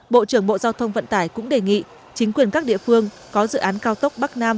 bộ trưởng bộ giao thông vận tải cũng đề nghị chính quyền các địa phương có dự án cao tốc bắc nam